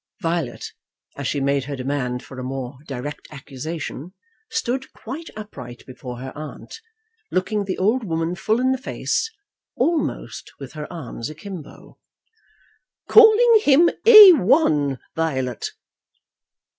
Violet, as she made her demand for a more direct accusation, stood quite upright before her aunt, looking the old woman full in the face, almost with her arms akimbo. "Calling him A 1, Violet."